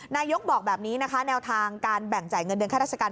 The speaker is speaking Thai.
นายกบอกแบบนี้นะคะแนวทางการแบ่งจ่ายเงินเดือนค่าราชการ